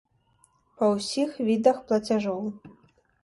Па ўсіх відах плацяжоў.